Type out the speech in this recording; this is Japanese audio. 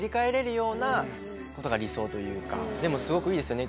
でもすごくいいですよね。